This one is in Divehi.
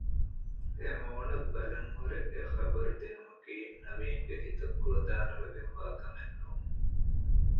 އެމޫނަށް ބަލަން ހުރެ އެޙަބަރު ދިނުމަކީ ނަވީންގެ ހިތަށް ކުޅަދާނަވެގެން ވާ ކަމެއް ނޫން